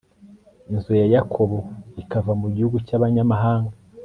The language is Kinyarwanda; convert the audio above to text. inzu ya yakobo ikava mu gihugu cy'abanyamahanga